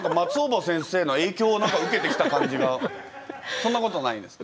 そんなことないですか？